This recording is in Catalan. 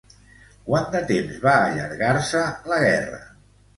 Quant de temps va allargar-se la guerra?